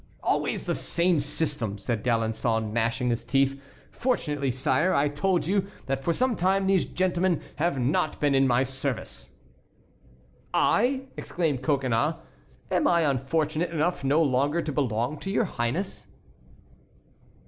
"Always the same system," said D'Alençon, gnashing his teeth. "Fortunately, sire, I told you that for some time these gentlemen have not been in my service." "I!" exclaimed Coconnas, "am I unfortunate enough no longer to belong to your highness?"